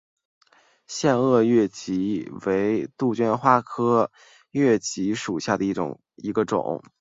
腺萼越桔为杜鹃花科越桔属下的一个种。